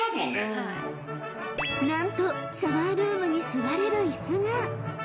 ［何とシャワールームに座れる椅子が］